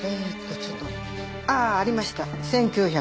ああありました。